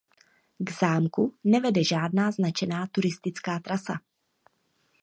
K zámku nevede žádná značená turistická trasa.